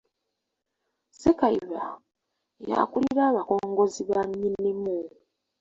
Ssekayiba ye akulira abakongozzi ba Nnyinimu.